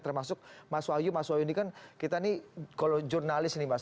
termasuk mas wahyu mas wahyu ini kan kita nih kalau jurnalis ini mas